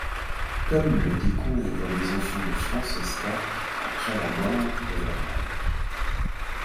Comme le découvrent les enfants de Francesca après la mort de leur mère.